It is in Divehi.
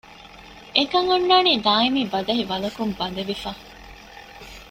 އެކަން އޮންނާނީ ދާއިމީ ބަދަހި ވަލަކުން ބަނދެވިފަ